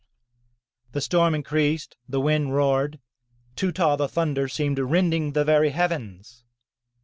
The storm increased, the wind roared, Tootah, the thunder, seemed rending the very heavens.